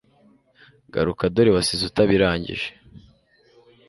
garuka dore wasize utabirangije